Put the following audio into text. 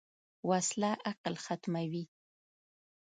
وسله عقل ختموي